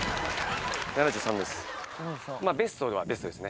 ７３です